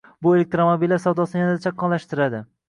Bu elektromobillar savdosini yanada chaqqonlashtiradi.